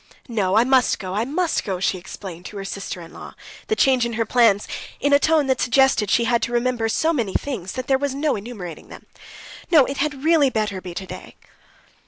"No, I must go, I must go"; she explained to her sister in law the change in her plans in a tone that suggested that she had to remember so many things that there was no enumerating them: "no, it had really better be today!"